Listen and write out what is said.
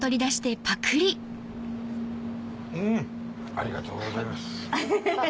ありがとうございます。